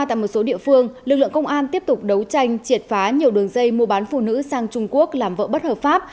tại một số địa phương lực lượng công an tiếp tục đấu tranh triệt phá nhiều đường dây mua bán phụ nữ sang trung quốc làm vợ bất hợp pháp